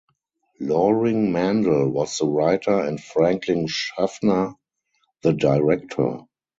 Loring Mandel was the writer and Franklin Schaffner the director.